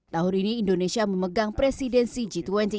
tahun ini indonesia memegang presidensi g dua puluh